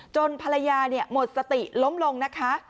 ภรรยาหมดสติล้มลงนะคะ